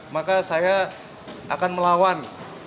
maka saya akan melawan